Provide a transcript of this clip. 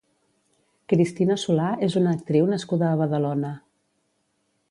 Cristina Solà és una actriu nascuda a Badalona.